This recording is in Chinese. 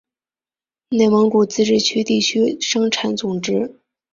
内蒙古自治区地区生产总值